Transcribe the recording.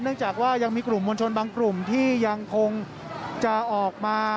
จากว่ายังมีกลุ่มมวลชนบางกลุ่มที่ยังคงจะออกมา